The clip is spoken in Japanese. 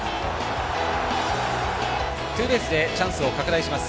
ツーベースでチャンスを拡大します。